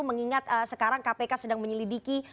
mengingat sekarang kpk sedang menyelidiki